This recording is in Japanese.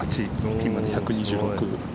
ピンまで１２６。